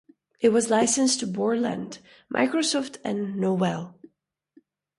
It was licensed to Borland, Microsoft and Novell.